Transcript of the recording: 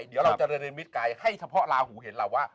เดี๋ยวเราเจริญในมิตรไกลให้เฉพาะลาหูเห็นเราว่า